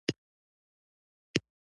وچکالي قحطي راوړي